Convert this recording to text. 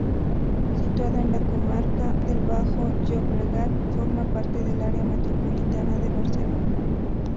Situado en la comarca del Bajo Llobregat, forma parte del área metropolitana de Barcelona.